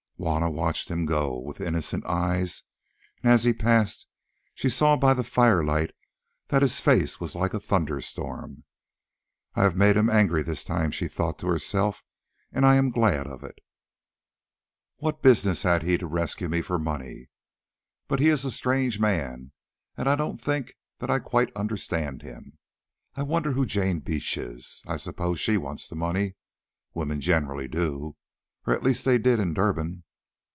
Juanna watched him go with innocent eyes, and as he passed she saw by the firelight that his face was like a thunderstorm. "I have made him angry this time," she thought to herself, "and I am glad of it. What business had he to rescue me for money? But he is a strange man, and I don't think that I quite understand him. I wonder who Jane Beach is. I suppose that she wants the money. Women generally do, or at least they did in Durban."